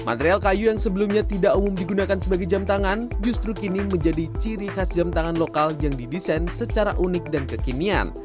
material kayu yang sebelumnya tidak umum digunakan sebagai jam tangan justru kini menjadi ciri khas jam tangan lokal yang didesain secara unik dan kekinian